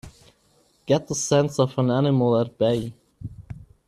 Get the sense of an animal at bay!